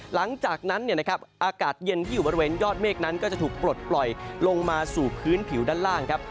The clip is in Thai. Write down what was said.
หลังจากนั้นอากาศเย็นที่อยู่บริเวณยอดเมฆนั้นก็จะถูกปลดปล่อยลงมาสู่พื้นผิวด้านล่างครับ